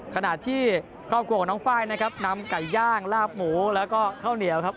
ขณะที่ครอบครัวของน้องไฟล์นะครับนำไก่ย่างลาบหมูแล้วก็ข้าวเหนียวครับ